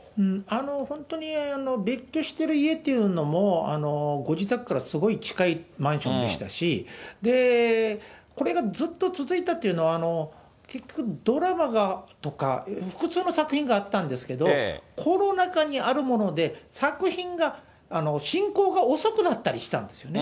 本当に別居してる家というのも、ご自宅からすごい近いマンションでしたし、これがずっと続いたというのは、結局ドラマとか複数の作品があったんですけど、コロナ禍にあるもので、作品が進行が遅くなったりしたんですよね。